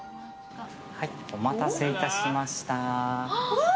お待たせいたしました。